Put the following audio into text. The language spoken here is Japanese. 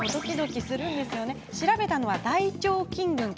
調べたのは大腸菌群。